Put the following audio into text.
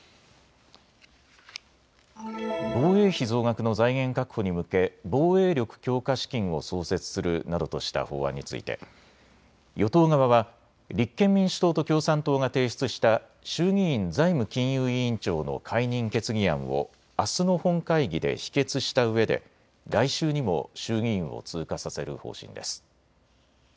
防衛費増額の財源確保に向け防衛力強化資金を創設するなどとした法案について与党側は立憲民主党と共産党が提出した衆議院財務金融委員長の解任決議案をあすの本会議で否決したうえで来週にも衆議院を通過させる方針です。